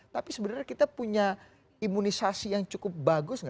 tapi sebenarnya kita punya imunisasi yang cukup bagus nggak